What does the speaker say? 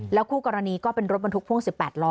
คู่กรณีก็เป็นรถบรรทุกพ่วง๑๘ล้อ